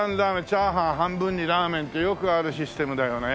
チャーハン半分にラーメンってよくあるシステムだよね